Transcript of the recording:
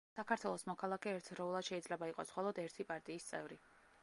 საქართველოს მოქალაქე ერთდროულად შეიძლება იყოს მხოლოდ ერთი პარტიის წევრი.